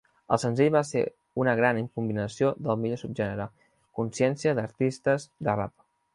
El senzill va ser una gran combinació del millor subgènere "Consciència" d'artistes de rap.